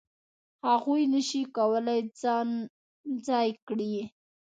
هغوی نه شي کولای ځان ځای کړي.